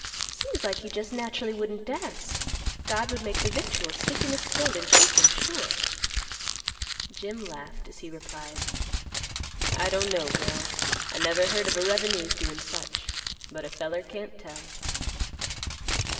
Seems like he just naturally wouldn't dast; God would make the victuals stick in his throat and choke him sure." Jim laughed, as he replied, "I don't know, girl; I never heard of a revenue's doin' such. But a feller can't tell."